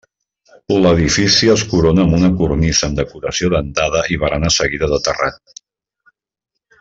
L'edifici es corona amb una cornisa amb decoració dentada i barana seguida de terrat.